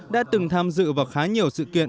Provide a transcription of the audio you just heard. đã từng tham dự vào khá nhiều sự kiện